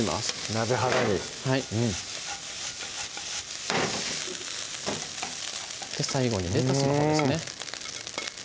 鍋肌に最後にレタスのほうですね